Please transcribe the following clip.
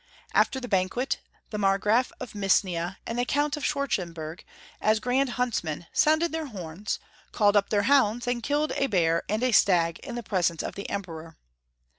After the ban quet, the Margraf of Misnia and the Count of Schwartzenburg, as grand huntsmen, sounded their horns, called up their hounds, and killed a bear and a stag in presence of the Emperor.